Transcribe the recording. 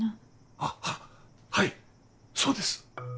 あっはいそうです！